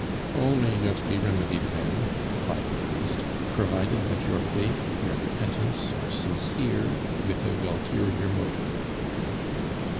"All may yet be remedied then," replied the priest, "provided that your faith, your repentance, are sincere and without ulterior motive."